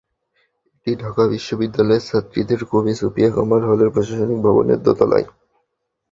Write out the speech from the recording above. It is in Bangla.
এটি ঢাকা বিশ্ববিদ্যালয়ের ছাত্রীদের কবি সুফিয়া কামাল হলের প্রশাসনিক ভবনের দোতলায়।